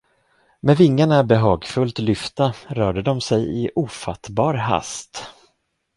Med vingarna behagfullt lyfta rörde de sig i ofattbar hast.